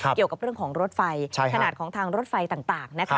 เกี่ยวกับเรื่องของรถไฟขนาดของทางรถไฟต่างนะคะ